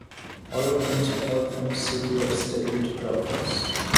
All of them suffered from severe stability problems.